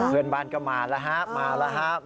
เพื่อนบ้านก็มาแล้วครับ